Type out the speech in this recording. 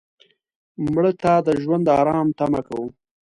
مړه ته د ژوند آرام تمه کوو